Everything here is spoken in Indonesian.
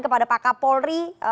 kepada pak kapolri